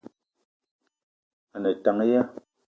A ne tank ya ?